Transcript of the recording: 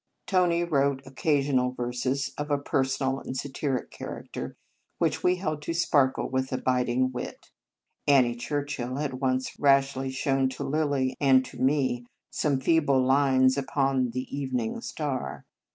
Tony wrote occasional verses of a personal and satiric character, which we held to sparkle with a bit ing wit. Annie Churchill had once rashly shown to Lilly and to me some feeble lines upon " The Evening Star."